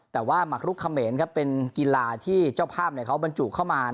แต่ว่าหมักลุกเขมรเป็นกีฬาที่เจ้าภาพเขาบรรจุเข้ามา